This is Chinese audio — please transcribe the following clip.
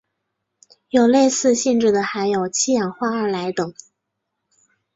有此类似性质的还有七氧化二铼等。